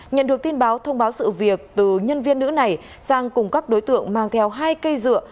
nhận được tin báo thông báo sự việc từ nhân viên nữ này sang cùng các đối tượng mang theo hai cây dựa